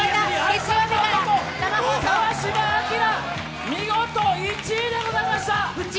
川島明、見事１位でございました。